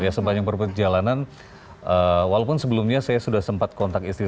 ya sepanjang perjalanan walaupun sebelumnya saya sudah sempat kontak istri